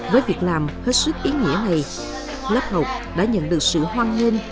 với việc làm hết sức ý nghĩa này lớp học đã nhận được sự hoan nghênh